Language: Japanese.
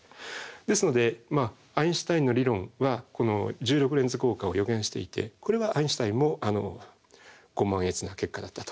ですのでアインシュタインの理論はこの重力レンズ効果を予言していてこれはアインシュタインもご満悦な結果だったと。